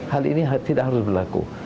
hal ini tidak harus berlaku